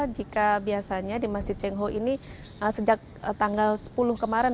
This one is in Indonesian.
jika biasanya di masjid cengho ini sejak tanggal sepuluh kemarin